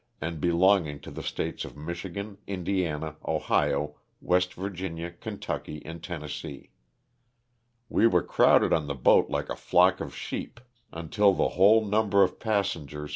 and belong ing to the States of Michigan, Indiana, Ohio, West Virginia, Kentucky and Tennessee. We were crowded on the boat like a flock of sheep until the whole num LOSS OF THE SULTANA.